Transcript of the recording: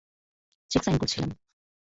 Check sign করছিলাম।